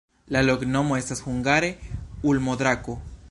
La loknomo estas hungare: ulmo-drako.